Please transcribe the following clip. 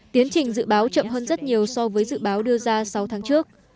tiến trình dự báo chậm hơn rất nhiều so với dự báo đưa ra sáu tháng trước